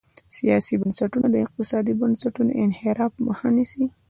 سیاسي بنسټونه د اقتصادي بنسټونو انحراف مخه نیسي.